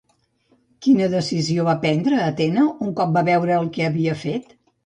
Quina decisió va prendre Atena un cop va veure el que havia fet?